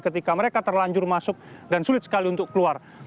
ketika mereka terlanjur masuk dan sulit sekali untuk keluar